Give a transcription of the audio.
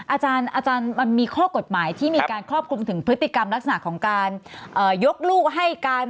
อาจารย์มันมีข้อกฎหมายที่มีการครอบคลุมถึงพฤติกรรมลักษณะของการยกลูกให้การ